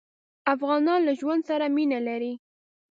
افغانان له ژوند سره مينه لري.